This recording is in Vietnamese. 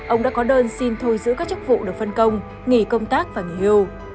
ông đã có đơn xin thôi giữ các chức vụ được phân công nghỉ công tác và nghỉ hưu